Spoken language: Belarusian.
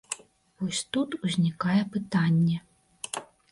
Вось тут узнікае пытанне.